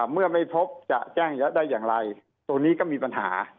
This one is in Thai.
เมื่อไม่พบจะแจ้งได้อย่างไรตัวนี้ก็มีปัญหา